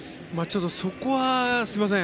そこはすみません。